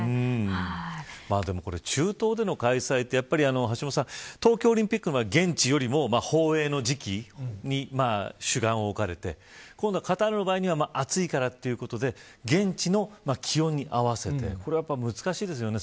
でもこれ、中東での開催って東京オリンピックは現地よりも放映の時期に主眼を置かれて今度はカタールの場合は暑いからということで現地の気温に合わせてこれはやっぱり難しいですよね